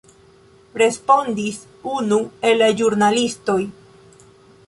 respondis unu el la ĵurnalistoj.